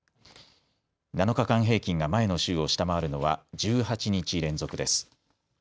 ７日間平均が前の週を下回るのは１８日連続です。